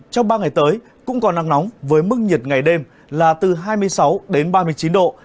trong ba ngày tới cũng có nắng nóng với mức nhiệt ngày đêm là từ hai mươi sáu đến ba mươi chín độ